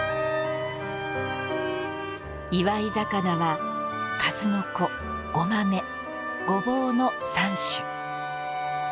祝い肴は数の子、ごまめ、ごぼうの三種。